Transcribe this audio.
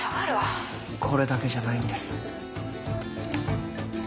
これだけじゃないんです。